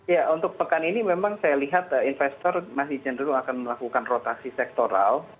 ya untuk pekan ini memang saya lihat investor masih cenderung akan melakukan rotasi sektoral